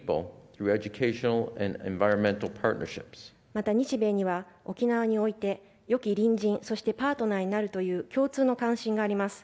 また日米には沖縄においてよき隣人そしてパートナーになるという共通の関心があります。